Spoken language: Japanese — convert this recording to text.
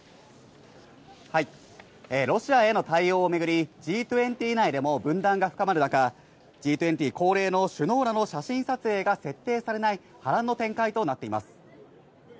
ロシアへの対応を巡り、Ｇ２０内でも分断が深まる中、Ｇ２０恒例の首脳らの写真撮影が設定されない波乱の展開となっています。